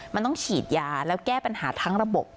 มันต้องฉีดยาแล้วแก้ปัญหาทั้งระบบ